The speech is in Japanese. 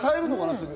すぐ。